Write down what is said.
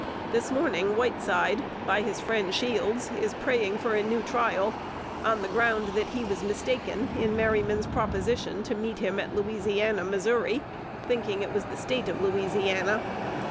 This morning Whiteside, by his friend Shields, is praying for a new trial, on the ground that he was mistaken in Merryman's proposition to meet him at Louisiana, Mo., thinking it was the State of Louisiana.